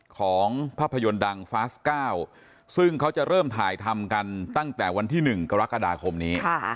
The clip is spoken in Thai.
ของภาพยนตร์ดังฟาส๙ซึ่งเขาจะเริ่มถ่ายทำกันตั้งแต่วันที่๑กรกฎาคมนี้